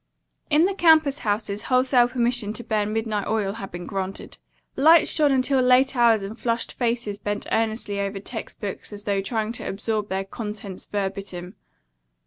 In the campus houses wholesale permission to burn midnight oil had been granted. Lights shone until late hours and flushed faces bent earnestly over text books as though trying to absorb their contents verbatim.